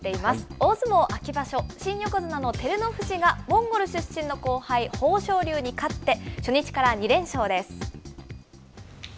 大相撲秋場所、新横綱の照ノ富士が、モンゴル出身の後輩、豊昇龍に勝って、初日から２連勝です。